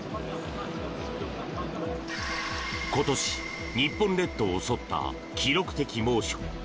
今年、日本列島を襲った記録的猛暑。